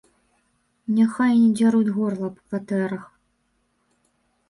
Няхай не дзяруць горла аб кватэрах.